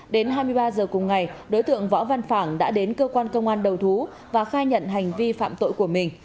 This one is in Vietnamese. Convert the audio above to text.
đến hai mươi ba h cùng ngày đối tượng võ văn phảng đã đến cơ quan công an đầu thú và khai nhận hành vi phạm tội của mình